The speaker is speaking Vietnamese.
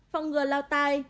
phòng ngừa lao tai